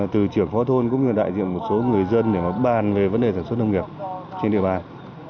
từ trưởng phó thôn cũng như đại diện một số người dân để bàn về vấn đề sản xuất nông nghiệp trên địa bàn